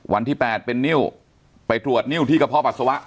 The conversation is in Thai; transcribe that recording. วันที่๘เป็นนิ้วไปตรวจนิ้วที่กระเพาะปัสสาวะ